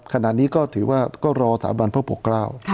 ขณะนี้ก็ถือว่าก็รอสถาบันพระปกเกล้า